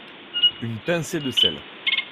une pincé de sel